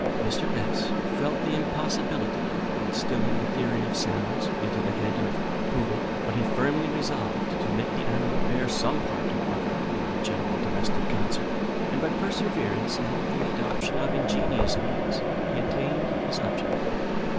Mr. S felt the impossibility of instilling the theory of sounds into the head of Poodle, but he firmly resolved to make the animal bear some part or other in the general domestic concert; and by perseverance, and the adoption of ingenious means, he attained his object.